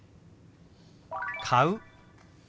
「買う」。